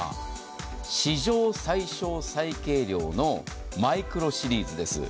史上最小・最軽量のマイクロシリーズです。